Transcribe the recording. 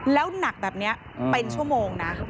แล้วหนักแบบนี้เป็นชั่วโมงนะ